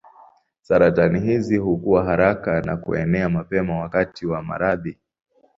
Saratani hizi hukua haraka na kuenea mapema wakati wa maradhi.